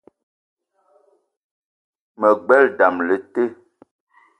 Me gbelé dam le te